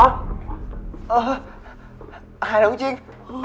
เออตายแล้วจริง